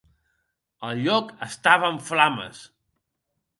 El lloc estava en flames.